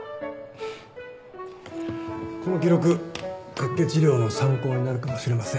この記録脚気治療の参考になるかもしれません。